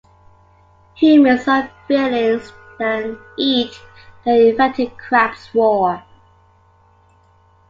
Humans or felines then eat the infected crabs raw.